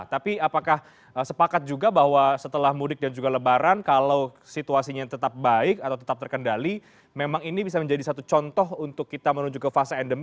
tapi apakah sepakat juga bahwa setelah mudik dan juga lebaran kalau situasinya tetap baik atau tetap terkendali memang ini bisa menjadi satu contoh untuk kita menuju ke fase endemi